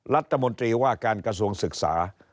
รัฐมนตรีว่าการกระทรวงศึกษา